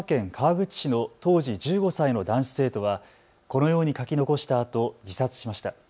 ２０１９年、埼玉県川口市の当時１５歳の男子生徒はこのように書き残したあと自殺しました。